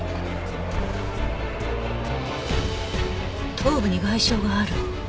頭部に外傷がある。